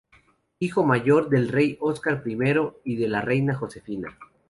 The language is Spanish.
Hijo mayor del rey Óscar I y de la reina Josefina.